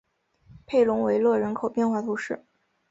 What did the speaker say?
佩龙维勒人口变化图示